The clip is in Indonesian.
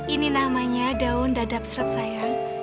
ini namanya daun dadap serap sayang